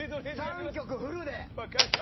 ３曲フルで！